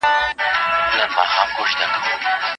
نوي علوم له فلسفې څخه جلا کړل سول.